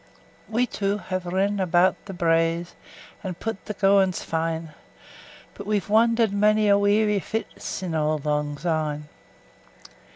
We twa hae rin about the braes, 5 And pu'd the gowans fine; But we've wander'd monie a weary fit Sin' auld lang syne.